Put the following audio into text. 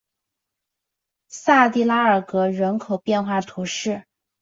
萨蒂拉尔格人口变化图示